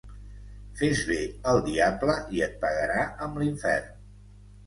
Fes bé al diable i et pagarà amb l'infern.